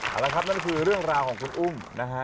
เอาละครับนั่นคือเรื่องราวของคุณอุ้มนะฮะ